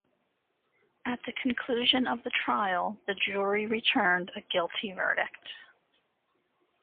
At the conclusion of the trial the jury returned a guilty verdict.